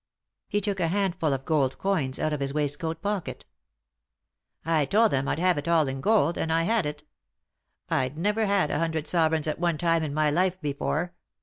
He took a handful of gold coins out of his waistcoat pocket, " I told them I'd have it all in gold, and I had it I've never had a hundred sovereigns at one time in my life before.